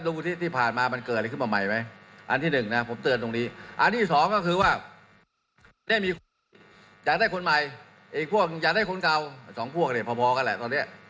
สองพวกเนี่ยพอพอกันแหละตอนเนี้ย